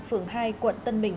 phường hai quận tân bình